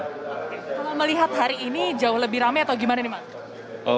kalau melihat hari ini jauh lebih rame atau gimana nih mas